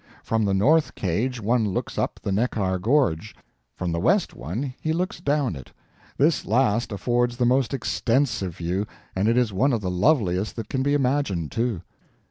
From the north cage one looks up the Neckar gorge; from the west one he looks down it. This last affords the most extensive view, and it is one of the loveliest that can be imagined, too.